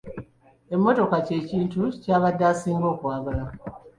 Emmotoka kye kintu ky'abadde asinga okwagala.